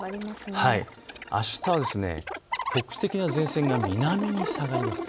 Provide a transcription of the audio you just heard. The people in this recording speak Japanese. あしたは局地的な前線が南に下がります。